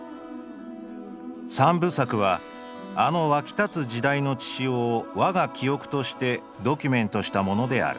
「３部作はあの沸き立つ時代の血潮を我が記憶としてドキュメントしたものである。